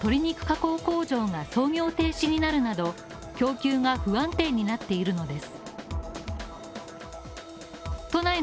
工場が操業停止になるなど、供給が不安定になっているのです。